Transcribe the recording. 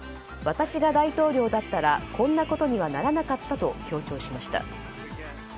私が大統領だったらこんなことにはならなかったと強調しました。